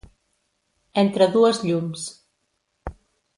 Entre dues llums.